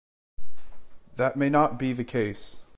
That may not be the case.